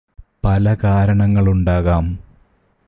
പല കാരണങ്ങളുണ്ടാകാം